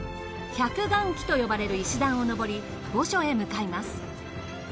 百雁木と呼ばれる石段を上り墓所へ向かいます。